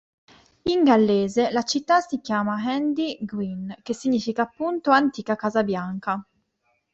In gallese la città si chiama "Hendy-gwyn", che significa appunto "antica casa bianca".